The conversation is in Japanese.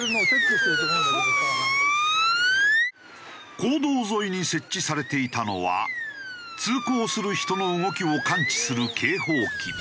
公道沿いに設置されていたのは通行する人の動きを感知する警報器。